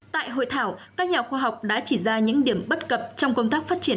tại hội thảo các nhà khoa học đã chỉ ra những điểm bất cập trong công tác phát triển